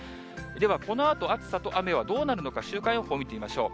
ではこのあと暑さと雨はどうなるのか、週間予報見てみましょう。